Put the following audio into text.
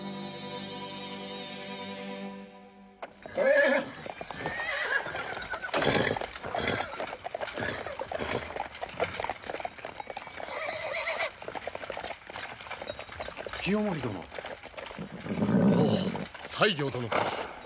おお西行殿か。